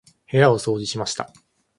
部屋を掃除しました。